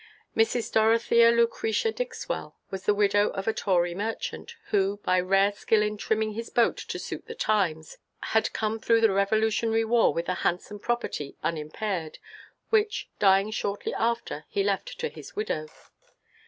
Mrs. Dorothea Lucretia Dixwell was the widow of a Tory merchant, who, by rare skill in trimming his boat to suit the times, had come through the Revolutionary war with a handsome property unimpaired, which, dying shortly after, he left to his widow.